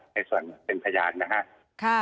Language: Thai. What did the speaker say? ในส่วนเป็นพยานนะฮะ